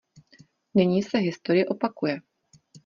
Nyní se historie opakuje.